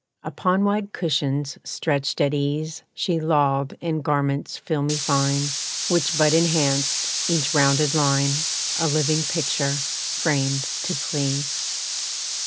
Upon wide cushions stretched at ease She lolled in garments filmy fine, Which but enhanced each rounded line; A living picture, framed to please.